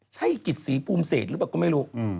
ใช่กิจศรีภูมิเศษหรือเปล่าก็ไม่รู้